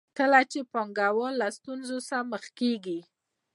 کله چې پانګوال له ستونزو سره مخ کېږي